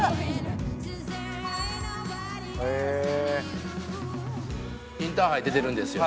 「へえー」「インターハイ出てるんですよ」